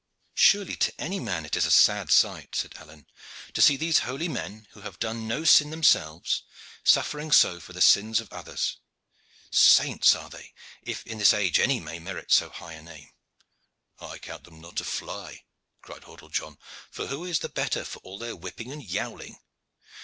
"Surely to any man it is a sad sight," said Alleyne, "to see these holy men, who have done no sin themselves, suffering so for the sins of others. Saints are they, if in this age any may merit so high a name." "I count them not a fly," cried Hordle John; "for who is the better for all their whipping and yowling?